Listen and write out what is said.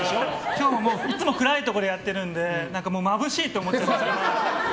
いつも暗いところでやってるのでまぶしいって思っちゃいました。